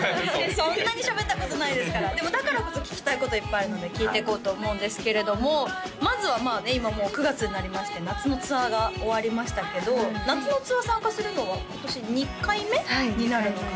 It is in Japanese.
そんなにしゃべったことないですからでもだからこそ聞きたいこといっぱいあるので聞いてこうと思うんですけれどもまずはまあね今もう９月になりまして夏のツアーが終わりましたけど夏のツアー参加するのは今年２回目になるのかな？